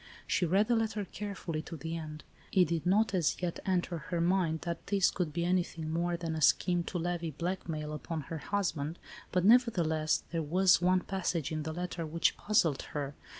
She read the letter carefully, to the end. It did not, as yet, enter her mind that this could be anything more than a scheme to levy blackmail upon her husband, but, neverthe less, there was one passage in the letter which puzzled her.